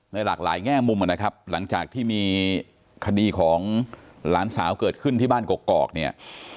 หลากหลายแง่มุมนะครับหลังจากที่มีคดีของหลานสาวเกิดขึ้นที่บ้านกอกเนี่ย